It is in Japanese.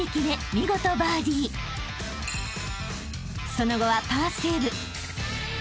［その後はパーセーブ］